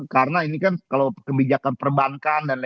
karena ini kan kalau kebijakan perbankan